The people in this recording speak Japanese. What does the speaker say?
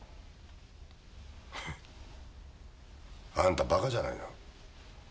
ふっあんたバカじゃないの？